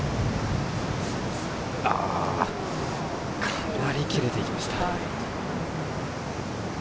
かなり切れていきました。